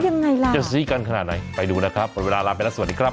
ยังไงล่ะจะซี้กันขนาดไหนไปดูนะครับหมดเวลาลาไปแล้วสวัสดีครับ